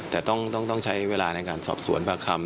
แต่ต้องใช้เวลาในการสอบสวนปากคำ